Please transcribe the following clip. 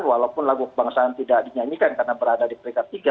walaupun lagu kebangsaan tidak dinyanyikan karena berada di peringkat tiga